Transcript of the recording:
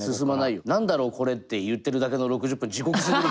「なんだろうこれ」って言ってるだけの６０分地獄すぎるから。